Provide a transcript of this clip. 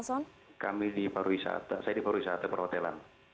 saya di paru wisata perhotelan